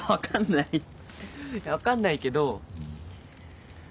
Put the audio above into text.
いや分かんないけど。